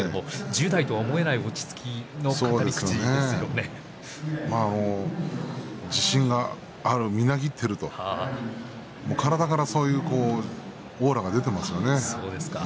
１０代とは思えない自信がみなぎっていると体から、そういうオーラが出ていますね。